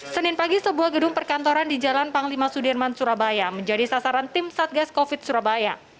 senin pagi sebuah gedung perkantoran di jalan panglima sudirman surabaya menjadi sasaran tim satgas covid surabaya